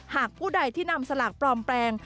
ผู้ใดที่นำสลากปลอมแปลง